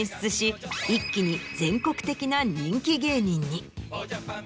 一気に全国的な人気芸人に。